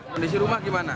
kondisi rumah gimana